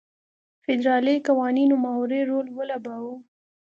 فدرالي قوانینو محوري رول ولوباوه.